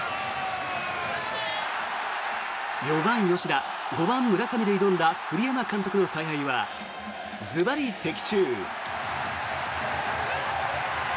４番、吉田５番、村上で挑んだ栗山監督の采配はずばり的中。